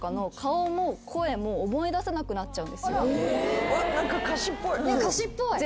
うわっ何か歌詞っぽい。